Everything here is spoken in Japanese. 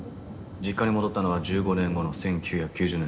実家に戻ったのは１５年後の１９９０年だ。